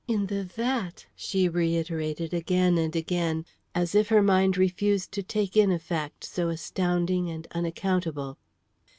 "In the vat!" she reiterated again and again, as if her mind refused to take in a fact so astounding and unaccountable.